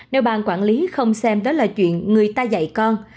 đều bàn quản lý không xem đó là chuyện người ta dạy con